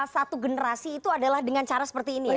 satu generasi itu adalah dengan cara seperti ini ya